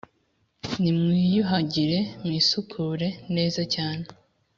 Nimwiyuhagire, mwisukure, neza cyane